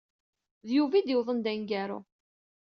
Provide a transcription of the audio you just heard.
D Yuba ay d-yuwḍen d aneggaru.